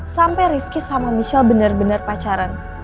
sampai rifki sama michelle bener bener pacaran